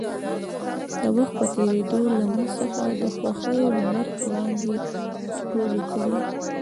د وخـت پـه تېـرېدو لـه مـوږ څـخـه د خـوښـيو لمـر وړانـګې تـولې کـړې.